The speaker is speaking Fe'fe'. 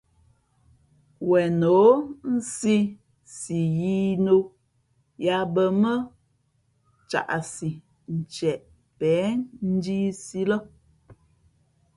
Wen nǒ nsī si yīī nō yāā bᾱ mά caʼsi ntieʼ pěn njīīsī lά.